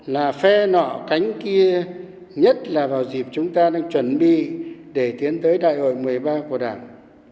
là phe nọ cánh kia nhất là vào dịp chúng ta đang chuẩn bị để tiến tới đại hội một mươi ba của đảng